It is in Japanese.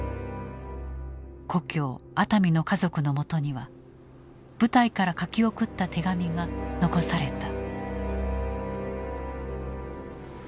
故郷熱海の家族のもとには部隊から書き送った手紙が残された。